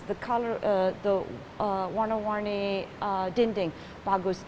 dinding warna warni bagus